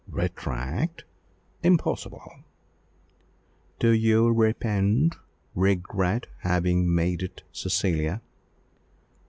"Retract! impossible!" "Do you repent regret having made it, Cecilia?"